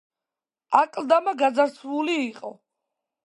აკლდამა გაძარცვული იყო.